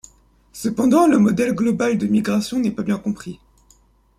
Cependant, le modèle global de migration n'est pas bien compris.